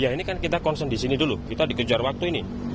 ya ini kan kita concern di sini dulu kita dikejar waktu ini